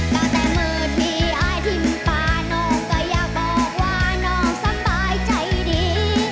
ตั้งแต่มืดมีอายทิมปาน้องก็อยากบอกว่าน้องสบายใจดี